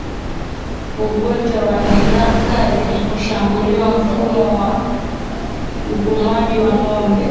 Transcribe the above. Ugonjwa wa ndigana kali hushambulia mfumo wa upumuaji wa ngombe